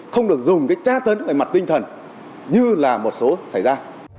không được dùng cái trá tấn cái mặt tinh thần như là một số xảy ra